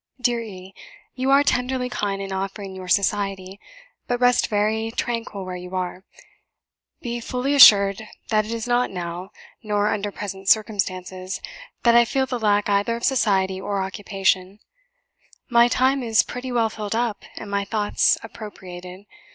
Dear E , you are tenderly kind in offering your society; but rest very tranquil where you are; be fully assured that it is not now, nor under present circumstances, that I feel the lack either of society or occupation; my time is pretty well filled up, and my thoughts appropriated.